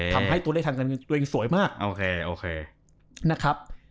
ทำให้ตัวเลขทางเงินตัวเองสวยมาก